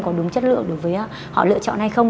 có đúng chất lượng đối với họ lựa chọn hay không